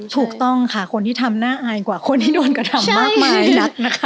ถูกต้องค่ะคนที่ทำน่าอายกว่าคนที่โดนกระทำมากมายนักนะคะ